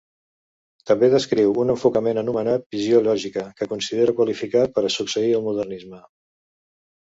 També descriu un enfocament, anomenat "visió-logica", que considera qualificat per succeir el modernisme.